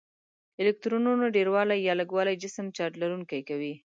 الکترونونو ډیروالی یا لږوالی جسم چارج لرونکی کوي.